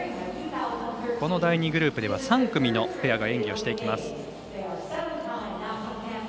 この第２グループでは３組のペアが演技をしていきます。